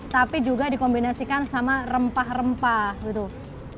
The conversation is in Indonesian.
tapi juga dikombinasikan sama rempah rempah gitu